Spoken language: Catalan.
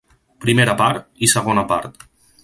Primera part i segona part.